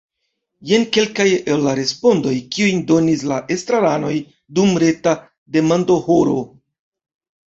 Jen kelkaj el la respondoj, kiujn donis la estraranoj dum reta demandohoro.